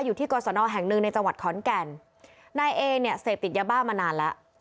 อยู่ที่กรสนแห่งหนึ่งในจังหวัดขอนแก่นนายเอเนี่ยเสพติดยาบ้ามานานแล้ว